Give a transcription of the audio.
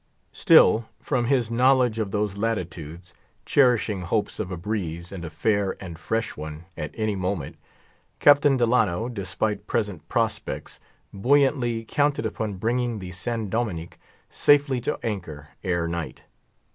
Still, from his knowledge of those latitudes, cherishing hopes of a breeze, and a fair and fresh one, at any moment, Captain Delano, despite present prospects, buoyantly counted upon bringing the San Dominick safely to anchor ere night.